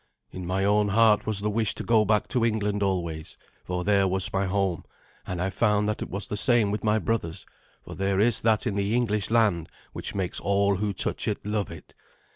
In my own heart was the wish to go back to England always, for there was my home; and I found that it was the same with my brothers, for there is that in the English land which makes all who touch it love it.